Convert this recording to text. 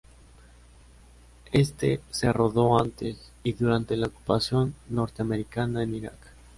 Este se rodó antes y durante la ocupación norteamericana en Irak.